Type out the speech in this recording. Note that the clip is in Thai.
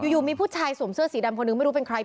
อยู่มีผู้ชายสวมเสื้อสีดำคนหนึ่งไม่รู้เป็นใคร